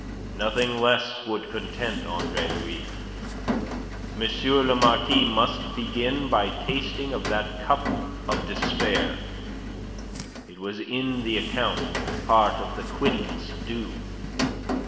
Nothing less would content Andre Louis. M. le Marquis must begin by tasting of that cup of despair. It was in the account; part of the quittance due.